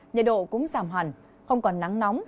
nhiệt độ cũng giảm hẳn không còn nắng nóng